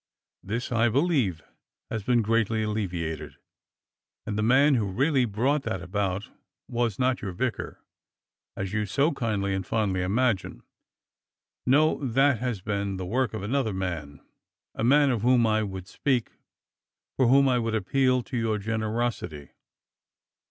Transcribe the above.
This, I believe, has been greatly alleviated, and the man who really brought that about was not your vicar, as you all so kindly and fondly imagine. No; that has been the work of another man — a man of whom I would speak, for whom I would appeal to your generosity.